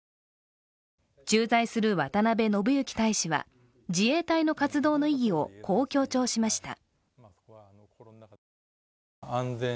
駐在する渡邊信之大使は、自衛隊の活動の意義をこう強調しました。